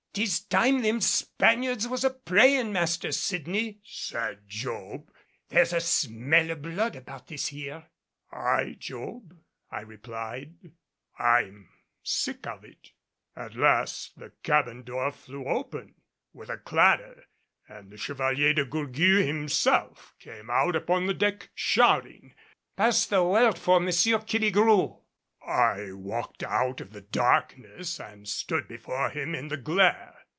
"'Tis time them Spaniards was a praying, Master Sydney," said Job; "there's a smell o' blood about this here." "Aye, Job," I replied; "I'm sick of it." At last the cabin door flew open with a clatter and the Chevalier de Gourgues himself came out upon the deck shouting, "Pass the word for Monsieur Killigrew." I walked out of the darkness and stood before him in the glare.